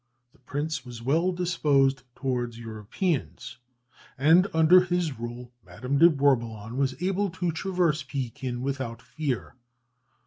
The prince was well disposed towards Europeans, and under his rule Madame de Bourboulon was able to traverse Pekin without fear.